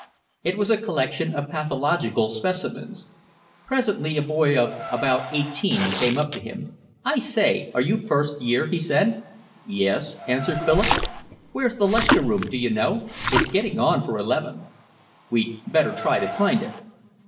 It was a collection of pathological specimens. Presently a boy of about eighteen came up to him. "I say, are you first year?" he said. "Yes," answered Philip. "Where's the lecture room, d'you know? It's getting on for eleven." "We'd better try to find it."